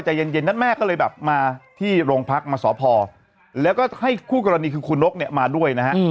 ใจเย็นนั้นแม่ก็เลยแบบมาที่โรงพักมาสอบพอแล้วก็ให้คู่กรณีคือคุณนกเนี่ยมาด้วยนะฮะ